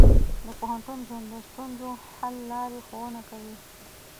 د پوهنتون ژوند د ستونزو حل لارې ښوونه کوي.